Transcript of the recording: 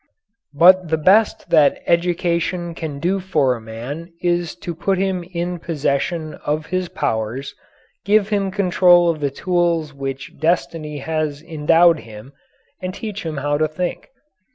But the best that education can do for a man is to put him in possession of his powers, give him control of the tools with which destiny has endowed him, and teach him how to think.